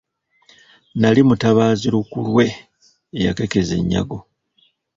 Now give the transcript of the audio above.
Nali mutabaazi lukulwe eyakekkeza ennyago.